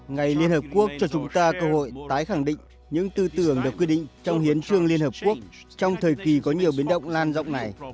ngày liên hợp quốc cho chúng ta cơ hội tái khẳng định những tư tưởng được quyết định trong hiến trương liên hợp quốc trong thời kỳ có nhiều biến động lan rộng này